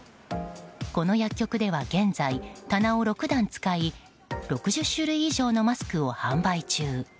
この薬局では現在、棚を６段使い６０種類以上のマスクを販売中。